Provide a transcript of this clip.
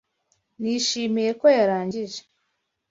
Nishimiye ko yarangije.